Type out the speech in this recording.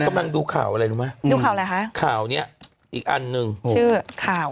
ดูข่าวอะไรรู้ไหมดูข่าวอะไรคะข่าวเนี้ยอีกอันหนึ่งชื่อข่าว